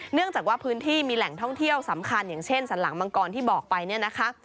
เนื่องจากว่าพื้นที่มีแหล่งท่องเที่ยวสำคัญอย่างเช่นสันหลังมังกรที่บอกไปเนี่ยนะคะ